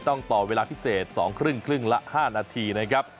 ต้องต่อเวลาพิเศษ๒ครึ่งครึ่งละ๕นาทีนะครับ